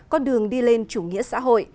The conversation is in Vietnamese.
con đường đi lên chủ nghĩa xã hội